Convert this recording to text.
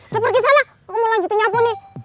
lepergi sana mau lanjutin nyapu nih